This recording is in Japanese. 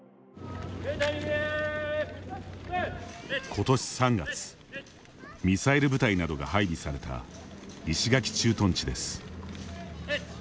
今年３月、ミサイル部隊などが配備された石垣駐屯地です。